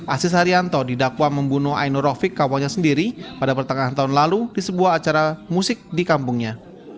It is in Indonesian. asis haryanto didakwa membunuh ainur rofik kawannya sendiri pada pertengahan tahun lalu di sebuah acara musik di kampungnya